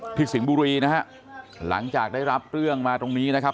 สิงห์บุรีนะฮะหลังจากได้รับเรื่องมาตรงนี้นะครับ